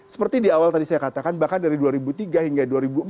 seperti di awal tadi saya katakan bahkan dari dua ribu tiga hingga dua ribu empat belas